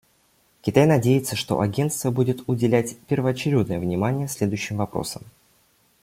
Китай надеется, что Агентство будет уделять первоочередное внимание следующим вопросам.